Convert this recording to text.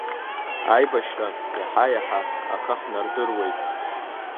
Аибашьра иаҳа-иаҳа ахы ҳнардыруеит.